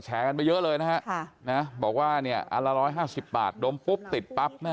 กันไปเยอะเลยนะฮะบอกว่าเนี่ยอันละ๑๕๐บาทดมปุ๊บติดปั๊บนะ